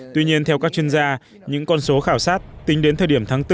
tuy nhiên theo các chuyên gia những con số khảo sát tính đến thời điểm tháng bốn